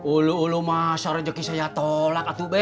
ulu ulu masa rezeki saya tolak atuh be